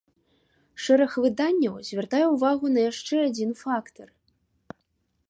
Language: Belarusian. Шэраг выданняў звяртае ўвагу на яшчэ адзін фактар.